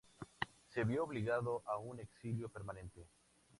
Se vio obligado a un exilio permanente.